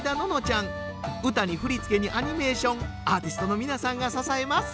歌に振り付けにアニメーションアーティストの皆さんが支えます。